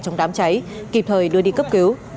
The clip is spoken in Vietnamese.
trong đám cháy kịp thời đưa đi cấp cứu